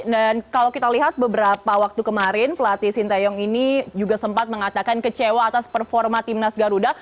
dan kalau kita lihat beberapa waktu kemarin pelatih sintayong ini juga sempat mengatakan kecewa atas performa timnas garuda